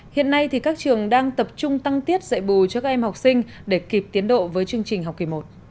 hiện nay thì các trường đang tập trung tăng tiết dạy bù cho các em học sinh để kịp tiến độ với chương trình học kỳ một